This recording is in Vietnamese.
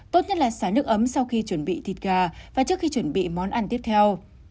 tốt nhất là xả nước ấm sau khi chuẩn bị thịt gà và trước khi chuẩn bị món ăn tiếp theo